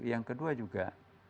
yang kedua juga